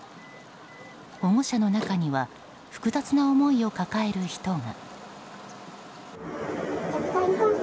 保護者の中には複雑な思いを抱える人が。